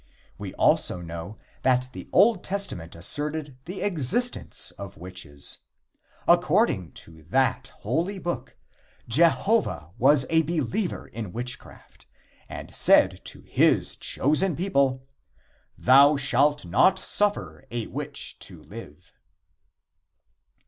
We also know that the Old Testament asserted the existence of witches. According to that Holy Book, Jehovah was a believer in witchcraft, and said to his chosen people: "Thou shalt not suffer a witch to live."